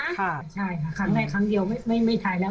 ใช่แม่ขึ้นใหม่ฮะครั้ง